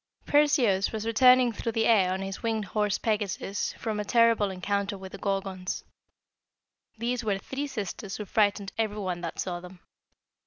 ] "Perseus was returning through the air on his winged horse Pegasus from a terrible encounter with the Gorgons. These were three sisters who frightened everyone that saw them.